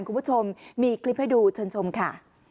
คุณผู้ชมมีคลิปให้ดูเชิญชมค่ะ